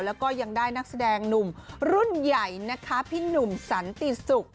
แล้วก็ยังได้นักแสดงหนุ่มรุ่นใหญ่นะคะพี่หนุ่มสันติศุกร์